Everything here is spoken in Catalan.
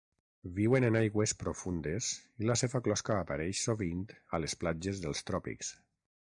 Viuen en aigües profundes i la seva closca apareix sovint a les platges dels tròpics.